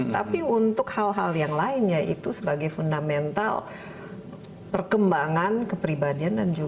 tapi untuk hal hal yang lainnya itu sebagai fundamental perkembangan kepribadian dan juga